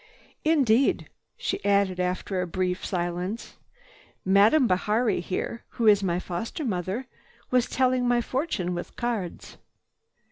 "Indeed," she added after a brief silence, "Madame Bihari here, who is my foster mother, was telling my fortune with cards."